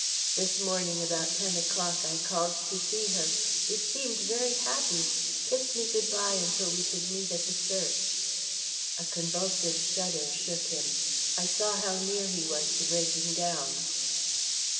This morning, about ten o'clock, I called to see her; she seemed very happy kissed me good bye until we should meet at the church." A convulsive shudder shook him. I saw how near he was to breaking down.